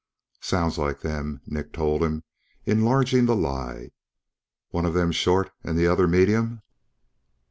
"Sounds like them," Nick told him, enlarging the lie. "One of them short and the other medium?"